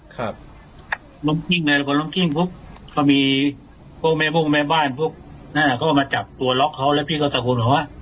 ค่ะน้ำพี่ในนั้นพอล้ำกิ้งปุ๊บเขามีโปรแม่โปรแม่แบบพูดก็มาจับตัวล็อกเขาแล้วพี่เขาจะไม่น่ะ